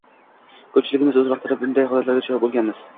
– ko‘pchiligimiz o‘z vaqtida bunday holatga duchor bo‘lganmiz.